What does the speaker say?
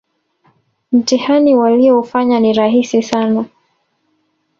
Mtihani walioufanya ni rahisi sana